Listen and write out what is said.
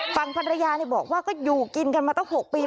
ฝั่งภรรยาบอกว่าก็อยู่กินกันมาตั้ง๖ปี